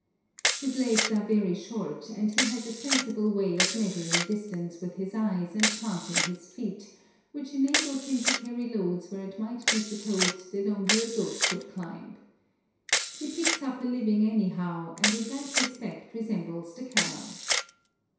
His legs are very short, and he has a sensible way of measuring distance with his eyes and planting his feet, which enables him to carry loads where it might be supposed that only a goat could climb. He picks up a living anyhow, in that respect resembling the camel.